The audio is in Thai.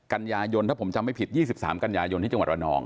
กันยายนถ้าผมจำไม่ผิด๒๓กันยายนที่จังหวัดระนอง